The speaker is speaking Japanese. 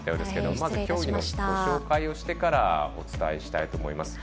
まずは競技のご紹介をしてからお伝えしたいと思います。